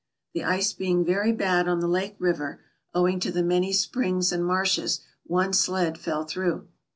The ice being very bad AMERICA 141 on the Lake River, owing to the many springs and marshes, one sled fell through.